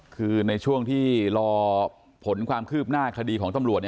คือในช่วงที่รอผลความคืบหน้าคดีของตำรวจ